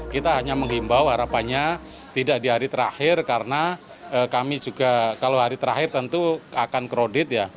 kita hanya menghimbau harapannya tidak di hari terakhir karena kami juga kalau hari terakhir tentu akan krodit ya